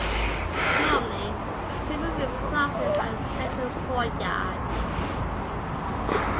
Normally, several rooms cluster around a central courtyard.